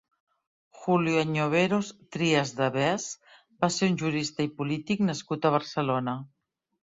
Julio Añoveros Trias de Bes va ser un jurista i polític nascut a Barcelona.